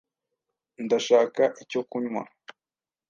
Ndashaka icyo kunywa.